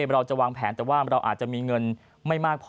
เราจะวางแผนแต่ว่าเราอาจจะมีเงินไม่มากพอ